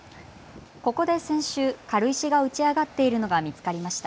ここで先週、軽石が打ち上がっているのが見つかりました。